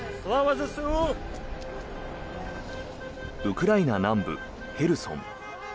ウクライナ南部ヘルソン。